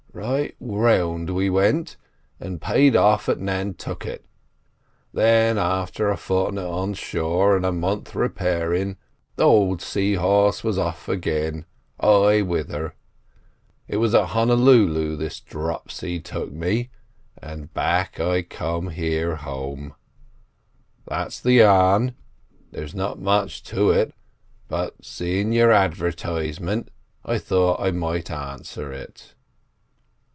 Right round we went, and paid off at Nantucket. Then, after a fortni't on shore and a month repairin', the old Sea Horse was off again, I with her. It was at Honolulu this dropsy took me, and back I come here, home. That's the yarn. There's not much to it, but, seein' your advertisement, I thought I might answer it."